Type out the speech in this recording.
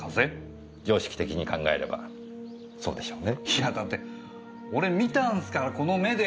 いやだって俺見たんすからこの目で！